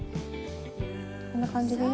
こんな感じでいい？